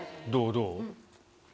どう？